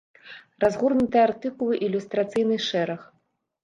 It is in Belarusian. Разгорнутыя артыкулы і ілюстрацыйны шэраг.